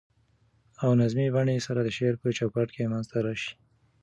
او نظمي بڼې سره د شعر په چو کاټ کي منځ ته راشي.